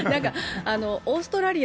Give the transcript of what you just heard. オーストラリア